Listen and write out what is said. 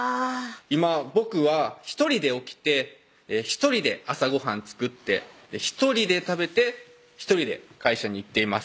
今僕は一人で起きて一人で朝ご飯作って一人で食べて一人で会社に行っています